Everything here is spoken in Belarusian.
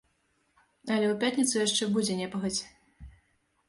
Але ў пятніцу яшчэ будзе непагадзь.